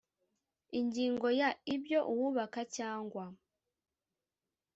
Ingingo ya Ibyo uwubaka cyangwa